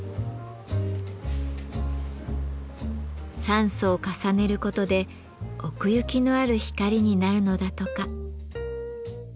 三層重ねることで奥行きのある光になるのだとか。